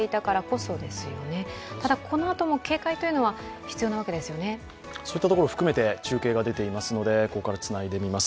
そういったところを含めて中継が出ていますので、ここからつないでみます。